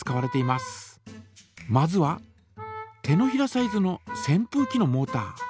まずは手のひらサイズのせんぷうきのモータ。